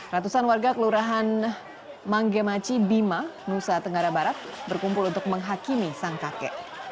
ratusan warga kelurahan manggemaci bima nusa tenggara barat berkumpul untuk menghakimi sang kakek